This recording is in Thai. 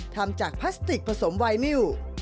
ทำจากพลาสติกผสมไวนิว